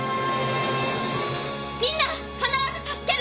みんな必ず助ける！